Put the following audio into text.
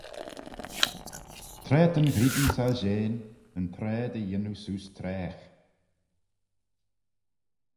Tra ta'n ghrian soishean, yn traa dy yannoo seose traagh.